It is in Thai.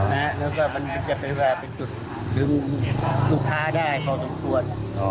แล้วก็มันจะเป็นจุดดึงลูกค้าได้พอสมควร